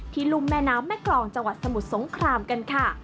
รุ่มแม่น้ำแม่กรองจังหวัดสมุทรสงครามกันค่ะ